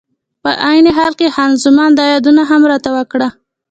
په عین حال کې خان زمان دا یادونه هم راته وکړه.